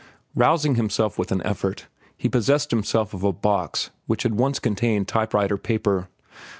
Rousing himself with an effort, he possessed himself of a box which had once contained type writer paper.